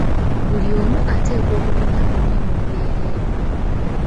Buli omu ateekwa okugumya munne mu mbeera eno.